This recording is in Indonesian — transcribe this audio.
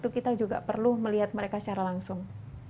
kita juga perlu melihat mereka secara langsung